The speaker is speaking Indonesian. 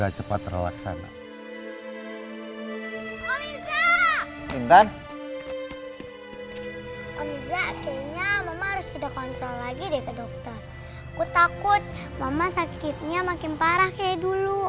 aku takut mama sakitnya makin parah kayak dulu